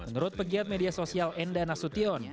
menurut pegiat media sosial enda nasution